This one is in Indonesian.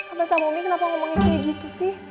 abah sama umi kenapa ngomongin kayak gitu sih